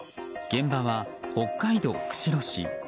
現場は北海道釧路市。